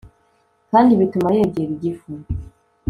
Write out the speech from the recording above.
kandi bituma yegera igifu